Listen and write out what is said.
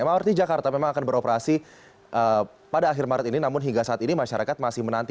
mrt jakarta memang akan beroperasi pada akhir maret ini namun hingga saat ini masyarakat masih menanti